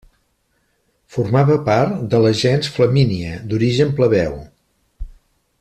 Formava part de la gens Flamínia, d'origen plebeu.